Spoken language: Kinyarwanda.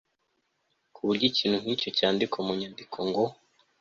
ku buryo ikintu nkicyo cyandikwa mu nyandiko ngo